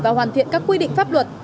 và hoàn thiện các quy định pháp luật